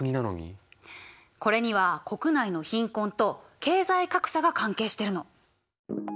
これには国内の貧困と経済格差が関係してるの。